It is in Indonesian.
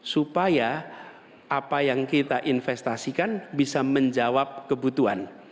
supaya apa yang kita investasikan bisa menjawab kebutuhan